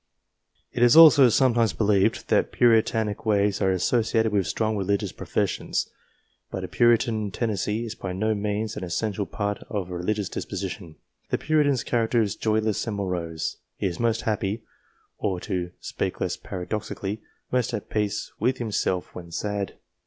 It is also sometimes believed that Puritanic ways are associated with strong religious professions ; but a Puritan tendency is by no means an essential part of a religious disposition. The Puritan's character is joyless and morose ; he is most happy, or, to speak less para doxically, most at peace with himself when sad.